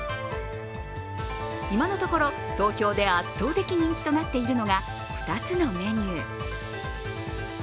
今のところ、投票で圧倒的人気となっているのが２つのメニュー。